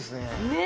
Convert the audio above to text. ねえ！